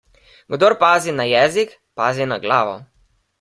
Kdor pazi na jezik, pazi na glavo.